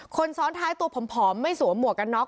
คนซ้อนท้ายตัวผอมไม่สวมหมวกกันน็อ